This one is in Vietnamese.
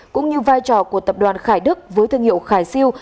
cũng như vai trò của tập đoàn khải đức với thương hiệu khải siêu